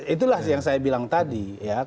itulah yang saya bilang tadi